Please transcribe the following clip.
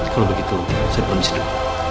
kalau begitu saya belum bisa